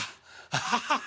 アハハハ。